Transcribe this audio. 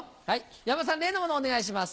山田さん例の物お願いします。